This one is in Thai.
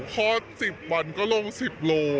พอ๑๐วันก็ลง๑๐โล